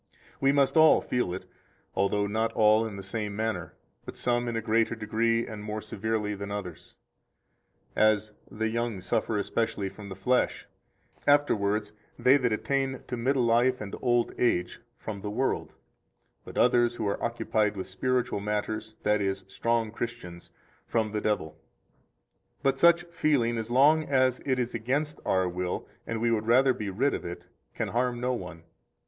We must all feel it, although not all in the same manner, but some in a greater degree and more severely than others; as, the young suffer especially from the flesh, afterwards, they that attain to middle life and old age, from the world, but others who are occupied with spiritual matters, that is, strong Christians, from the devil. 108 But such feeling, as long as it is against our will and we would rather be rid of it, can harm no one.